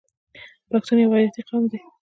پښتون یو غیرتي قوم دی.